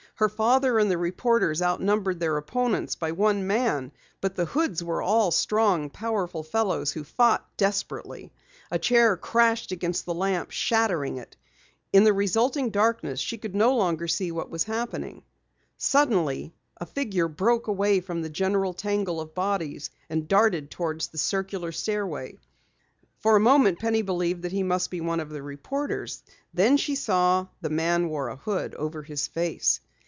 Her father and the reporters outnumbered their opponents by one man, but the Hoods were all strong, powerful fellows who fought desperately. A chair crashed against the lamp, shattering it. In the resulting darkness, she no longer could see what was happening. Suddenly a figure broke away from the general tangle of bodies and darted toward the circular stairway. For a moment Penny believed that he must be one of the reporters, then she saw that the man wore a hood over his face.